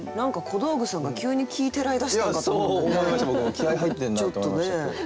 気合い入ってんなって思いましたけど。